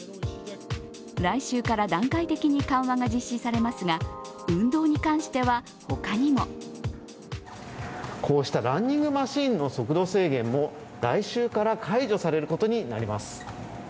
来週から段階的に緩和が実施されますが運動に関しては他にもこうしたランニングマシンの速度制限も来週から解除されることになります。